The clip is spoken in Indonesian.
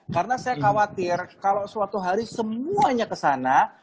karena saya khawatir kalau suatu hari semuanya kesana